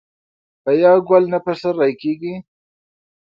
په يو ګل نه پسرلی کيږي.